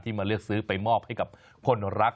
มาเลือกซื้อไปมอบให้กับคนรัก